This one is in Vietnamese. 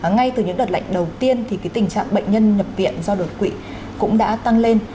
ngay từ những đợt lạnh đầu tiên thì tình trạng bệnh nhân nhập viện do đột quỵ cũng đã tăng lên